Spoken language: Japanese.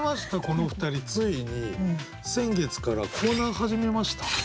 この２人ついに先月からコーナー始めました。